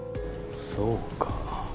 そうかな。